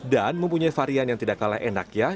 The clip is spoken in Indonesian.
dan mempunyai varian yang tidak kalah enak ya